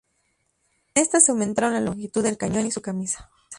En esta se aumentaron la longitud del cañón y su camisa.